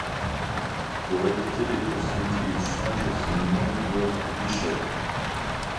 Pour éviter les poursuites, il change son nom pour Bishop.